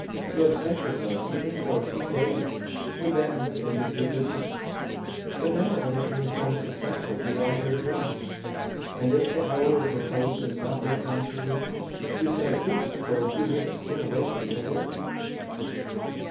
To absent yourself even for a few days would then have injured your business. But now everything has been successful beyond your dreams, and if the hour of repose has not yet come for you, you can at least for a few weeks get away from your work."